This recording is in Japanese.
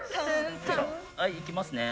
はいいきますね。